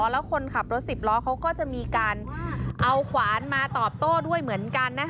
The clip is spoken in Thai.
แล้วคนขับรถ๑๐ล้อเขาก็จะมีการเอาขวานมาตอบโต้ด้วยเหมือนกัน